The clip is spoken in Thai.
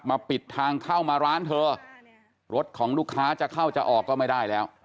ปิดทางเข้ามาร้านเธอรถของลูกค้าจะเข้าจะออกก็ไม่ได้แล้ว